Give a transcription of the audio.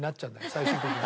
最終的に。